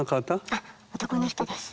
あっ男の人です。